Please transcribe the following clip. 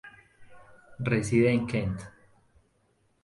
Reside en Kent.